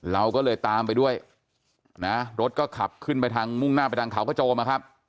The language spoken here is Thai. เราก็เลยตามไปด้วยนะรถก็ขับขึ้นไปทางมุ่งหน้าไปทางเขากระโจมนะครับ